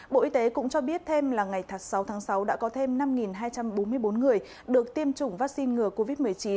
bộ y tế cũng cho biết thêm là ngày sáu tháng sáu đã có thêm năm hai trăm bốn mươi bốn người được tiêm chủng vaccine ngừa covid một mươi chín